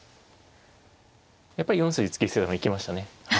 やっぱり４筋突き捨てたの生きましたね。